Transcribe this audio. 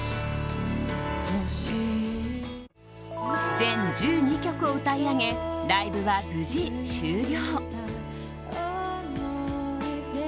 全１２曲を歌い上げライブは無事終了。